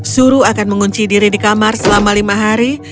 suruh akan mengunci diri di kamar selama lima hari